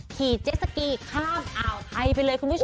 เจสสกีข้ามอ่าวไทยไปเลยคุณผู้ชม